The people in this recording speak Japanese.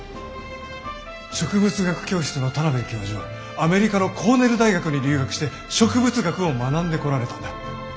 植物学教室の田邊教授はアメリカのコーネル大学に留学して植物学を学んでこられたんだ。